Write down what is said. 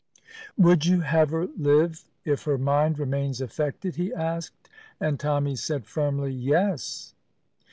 "Would you have her live if her mind remains affected?" he asked; and Tommy said firmly, "Yes."